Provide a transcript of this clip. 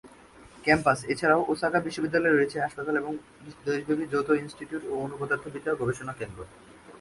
Campus এছাড়াও Osaka বিশ্ববিদ্যালয়ে রয়েছে হাসপাতাল এবং দেশব্যাপী যৌথ ইনস্টিটিউট ও অণু পদার্থবিদ্যা গবেষণা কেন্দ্র।